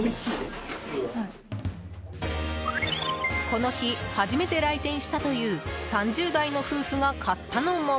この日、初めて来店したという３０代の夫婦が買ったのも。